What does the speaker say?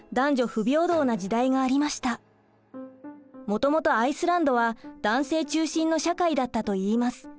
もともとアイスランドは男性中心の社会だったといいます。